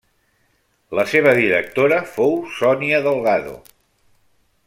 La seva directora fou Sonia Delgado.